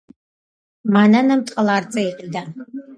მანანამ ტყლარწი იყიდა